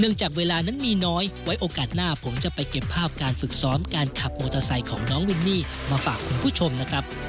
จากเวลานั้นมีน้อยไว้โอกาสหน้าผมจะไปเก็บภาพการฝึกซ้อมการขับมอเตอร์ไซค์ของน้องวินนี่มาฝากคุณผู้ชมนะครับ